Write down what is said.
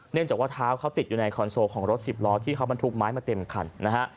เนื่องจากว่าเท้าเขาติดอยู่ในคอนโซลของรถสิบล้อที่เขาบรรทุกไม้มาเต็มคันนะฮะ